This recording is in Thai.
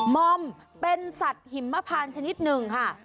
มอมเป็นสัตว์หิมพานชนิดหนึ่งค่ะ